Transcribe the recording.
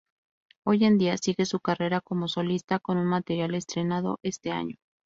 Hoy en día sigue su carrera como solista con un material estrenado este año.